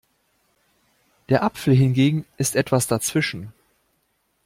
Der Apfel hingegen ist etwas dazwischen.